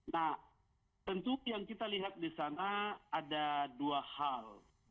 nah tentu yang kita lihat di sana ada dua hal